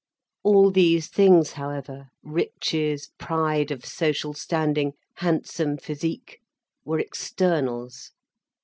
All these things, however, riches, pride of social standing, handsome physique, were externals.